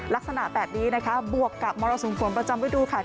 ลักษณะแปดนี้นะคะบวกกับมรสุนภวรประจำวิดูการ